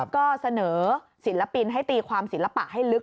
ก็เสนอศิลปินให้ตีความศิลปะให้ลึก